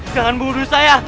jangan bunuh saya